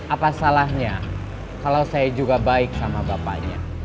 apa salahnya kalau saya juga baik sama bapaknya